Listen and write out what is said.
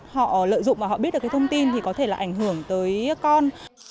họ lợi dụng và họ biết được cái thông tin thì có thể là ảnh hưởng tới con